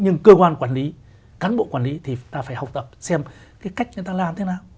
nhưng cơ quan quản lý cán bộ quản lý thì ta phải học tập xem cái cách chúng ta làm thế nào